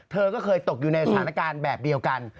เธอก็เคยตกอยู่ในสถานการณ์แบบเดียวกัน